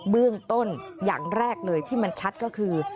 เบื้องต้นอย่างแรกเลยที่มันชัดก็คือ